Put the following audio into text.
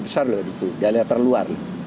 besar loh itu dali terluar